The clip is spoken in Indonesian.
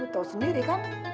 tau sendiri kan